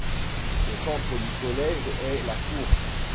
Le centre du collège est la Cour.